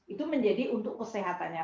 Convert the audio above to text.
itu menjadi untuk kesehatannya